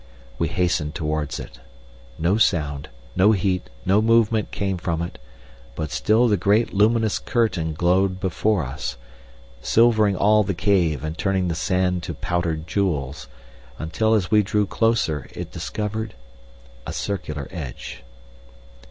We hastened towards it. No sound, no heat, no movement came from it, but still the great luminous curtain glowed before us, silvering all the cave and turning the sand to powdered jewels, until as we drew closer it discovered a circular edge.